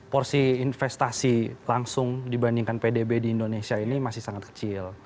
porsi investasi langsung dibandingkan pdb di indonesia ini masih sangat kecil